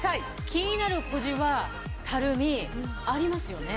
気になる小じわたるみありますよね。